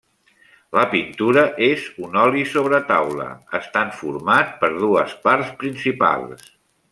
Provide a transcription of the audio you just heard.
La pintura és un oli sobre taula estant format per dues parts principals.